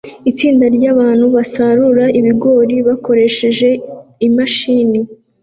Itsinda ryabantu basarura ibigori bakoresheje imashini